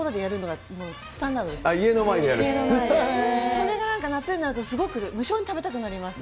それがなんか夏になるとすごく無性に食べたくなります。